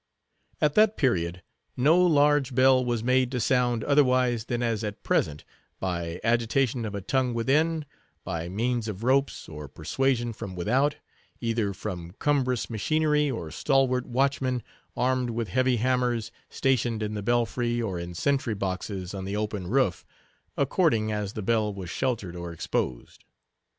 At that period, no large bell was made to sound otherwise than as at present, by agitation of a tongue within, by means of ropes, or percussion from without, either from cumbrous machinery, or stalwart watchmen, armed with heavy hammers, stationed in the belfry, or in sentry boxes on the open roof, according as the bell was sheltered or exposed.